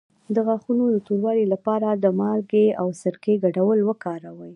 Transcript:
د غاښونو د توروالي لپاره د مالګې او سرکې ګډول وکاروئ